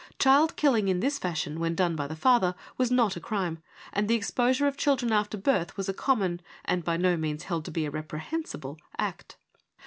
Child killing in this fashion, when done by the father, was not a crime, and the exposure of children after birth was a common, and by no means held to be a repre hensible act.